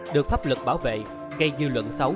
được pháp lực bảo vệ gây dư luận xấu